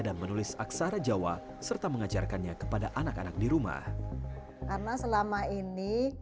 dan menulis aksara jawa serta mengajarkannya kepada anak anak di rumah karena selama ini